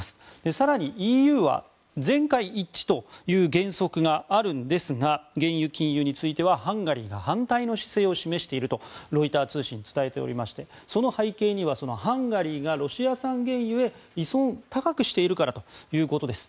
更にＥＵは、全会一致という原則があるんですが原油禁輸についてはハンガリーが反対の姿勢を示しているとロイター通信が伝えておりましてその背景にはハンガリーがロシア産原油併存を高くしているからということです。